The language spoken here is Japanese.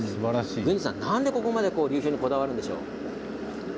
なんでここまで流氷にこだわるんでしょう。